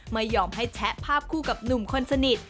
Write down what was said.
ไม่ยอมให้แชะภาพคู่กับหนุ่มคนสนิท